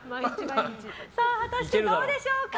果たしてどうでしょうか。